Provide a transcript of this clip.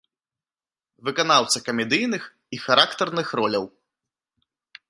Выканаўца камедыйных і характарных роляў.